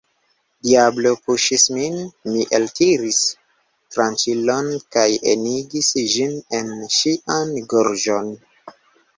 Diablo puŝis min, mi eltiris tranĉilon kaj enigis ĝin en ŝian gorĝon.